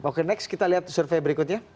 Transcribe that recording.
oke next kita lihat survei berikutnya